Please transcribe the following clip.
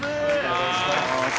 よろしくお願いします。